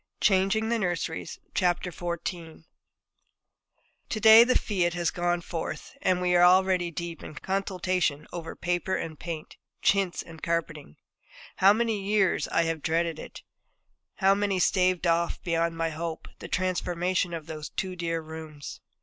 XIV CHANGING THE NURSERIES To day the fiat has gone forth, and we are already deep in consultation over paper and paint, chintz, and carpeting. How many years I have dreaded it; how many staved off, beyond my hope, the transformation of those two dear rooms!